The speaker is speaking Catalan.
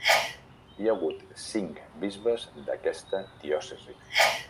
Hi ha hagut cinc bisbes d'aquesta diòcesi.